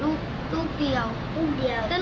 ลูกเดียว